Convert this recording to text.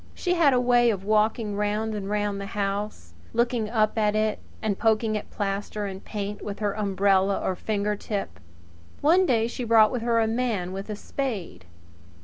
She had a way of walking round and round the house, looking up at it pridefully and poking at plaster and paint with her umbrella or fingertip. One day she brought with her a man with a spade.